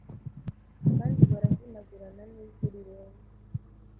Kandi baravunagurana n'ijwi rirenga